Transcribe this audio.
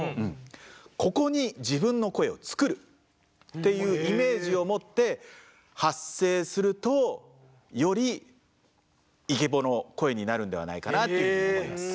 ここに自分の声を作るっていうイメージを持って発声するとよりイケボの声になるのではないかなというふうに思います。